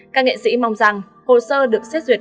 các nghệ sĩ mong rằng hồ sơ được xét duyệt